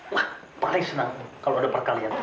wah paling senang kalau ada perkalian